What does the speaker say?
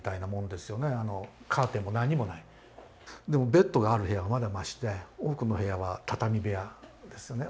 カーテンも何もないベッドがある部屋はまだましで多くの部屋は畳部屋ですよね。